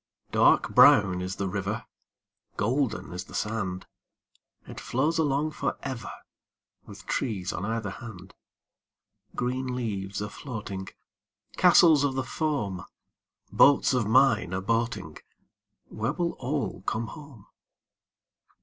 Dark brown is the river, Golden is the sand. It flows along for ever, With trees on either hand. Green leaves a floating, Castles of the foam, Boats of mine a boating— Where will all come home?